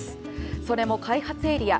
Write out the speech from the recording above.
それも開発エリア